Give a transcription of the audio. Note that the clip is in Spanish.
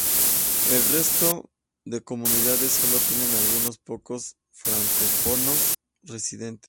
El resto de comunidades sólo tienen algunos pocos francófonos residentes.